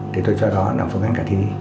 thì tôi cho nó làm phương án cả thi